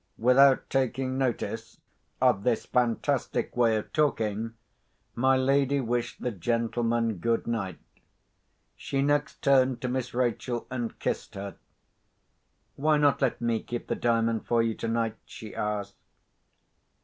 Without taking notice of this fantastic way of talking, my lady wished the gentlemen good night. She next turned to Miss Rachel, and kissed her. "Why not let me keep the Diamond for you tonight?" she asked.